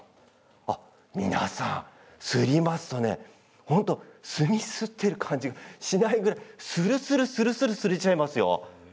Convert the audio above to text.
皆さん、すりますと本当に墨をすっている感じがしないくらいするするするすれちゃいます。